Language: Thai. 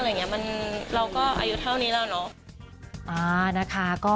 เราก็อายุเท่านี้แล้วเนาะ